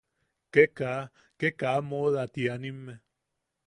Ke kaa, ke kaa mooda tianimme.